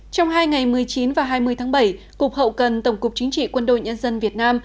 trong hai ngày một mươi chín và hai mươi tháng bảy cục hậu cần tổng cục chính trị quân đội nhân dân việt nam